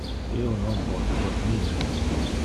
Io non pote dormir.